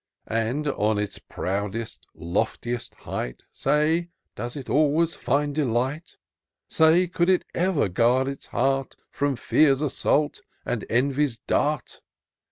And, on its proudest, loftiest height. Say, does it always find delight ? Say, could it ever guard its heart From Fear's assault, and Envy's dart